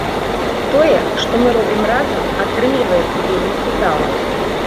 Тое, што мы робім разам, атрымліваецца вельмі ўдала.